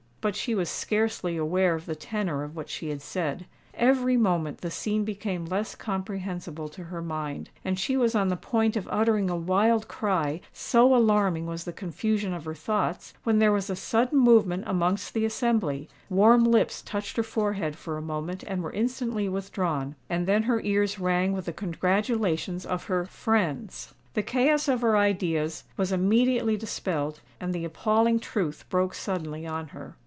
But she was scarcely aware of the tenour of what she had said: every moment the scene became less comprehensible to her mind—and she was on the point of uttering a wild cry, so alarming was the confusion of her thoughts, when there was a sudden movement amongst the assembly—warm lips touched her forehead for a moment and were instantly withdrawn—and then her ears rang with the congratulations of her friends! The chaos of her ideas was immediately dispelled; and the appalling truth broke suddenly on her.